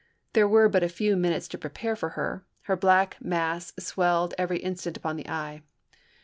There were but a few P. 407, minutes to prepare for her ; her black mass swelled every instant upon the eye.